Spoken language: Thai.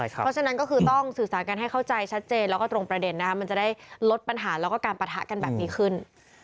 เพราะฉะนั้นก็คือต้องสื่อสารกันให้เข้าใจชัดเจนแล้วก็ตรงประเด็นนะคะมันจะได้ลดปัญหาแล้วก็การปะทะกันแบบนี้ขึ้น